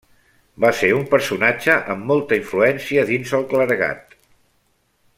Va ser un personatge amb molta influència dins el clergat.